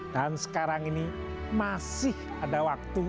dan sekarang ini masih ada waktu